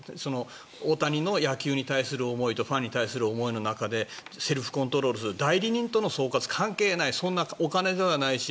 大谷の野球に対する思いとファンに対する思いの中でセルフコントロールする代理人との総括、関係ないそんなお金ではないし